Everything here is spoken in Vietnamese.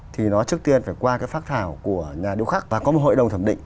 thì nó trước tiên phải qua cái phác thảo của nhà điêu khắc và có một hội đồng thẩm định